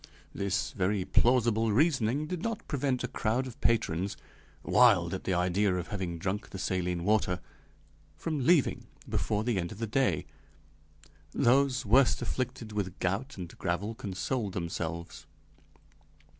This very plausible reasoning did not prevent a crowd of patrons, wild at the idea of having drunk the saline water, from leaving before the end of the day; those worst afflicted with gout and gravel consoled themselves.